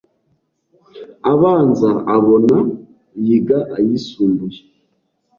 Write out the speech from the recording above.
abanza abona, yiga ayisumbuye